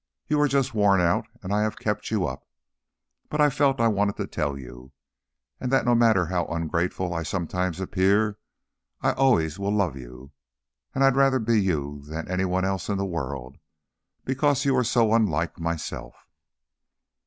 "You are just worn out, and I have kept you up. But I felt I wanted to tell you and that no matter how ungrateful I sometimes appear I always love you; and I'd rather be you than any one in the world, because you're so unlike myself."